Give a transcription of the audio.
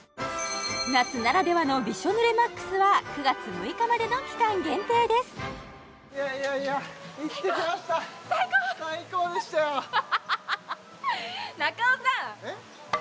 夏ならではのびしょ濡れＭＡＸは９月６日までの期間限定ですいやいやいや行ってきました中尾さんえっ？